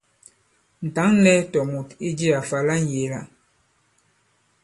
Ǹ tǎŋ nɛ̄ tòmùt i jiā fa la ŋyēe-la.